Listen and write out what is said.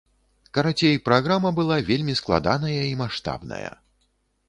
Карацей, праграма была вельмі складаная і маштабная.